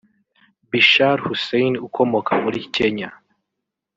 Bichar Hussein ukomoka muri Kenya